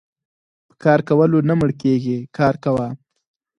په کار کولو نه مړکيږي کار کوه .